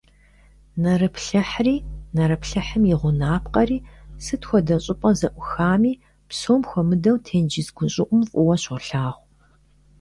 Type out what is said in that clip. Нэрыплъыхьри, нэрыплъыхьым и гъунапкъэри сыт хуэдэ щӀыпӀэ ззӀухами, псом хуэмыдэу тенджыз гущӀыӀум, фӀыуэ щолъагъу.